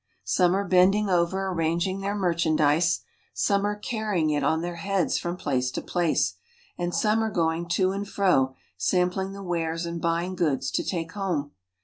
Some are bending over, arranging their merchandise; some are carrying it on their heads from place to place ; and some are going to and fro, sam pling the wares and buying goods to take home.